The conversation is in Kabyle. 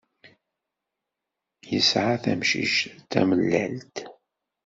Yesεa tamcict d tamellalt.